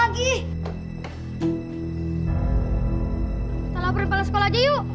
kita laparin balik sekolah aja yuk